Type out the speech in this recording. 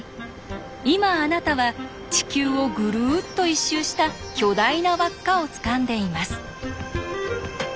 今あなたは地球をぐるっと一周した巨大な輪っかをつかんでいます。